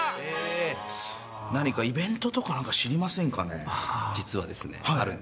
何かイベントとかなんか知りませんかね？